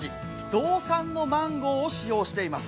道産のマンゴーを使用しています。